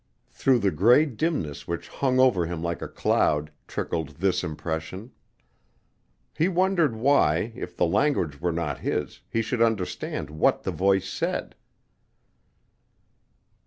Through the gray dimness which hung over him like a cloud, trickled this impression. He wondered why, if the language were not his, he should understand what the voice said.